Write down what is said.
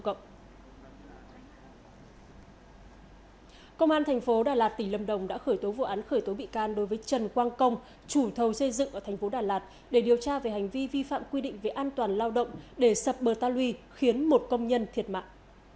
cơ quan cảnh sát điều tra công an thành phố đà lạt tỉ lâm đồng đã khởi tố vụ án khởi tố bị can đối với trần quang công chủ thầu xây dựng ở thành phố đà lạt để điều tra về hành vi vi phạm quy định về an toàn lao động để sập bờ ta lui khiến một công nhân thiệt mạng